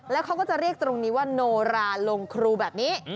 แล้วเขาก็จะเรียกตรงนี้ว่าโนราลงครูแบบนี้